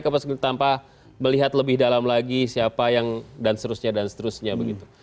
tanpa melihat lebih dalam lagi siapa yang dan seterusnya dan seterusnya begitu